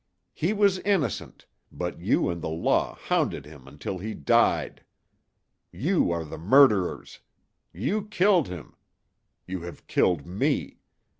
He was innocent, but you and the Law hounded him until he died. You are the murderers. You killed him. You have killed me.